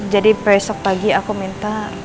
jadi besok pagi aku minta